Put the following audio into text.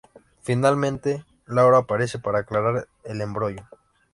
Finalmente Laura aparece para aclarar el embrollo.